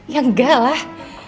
ya nggak lah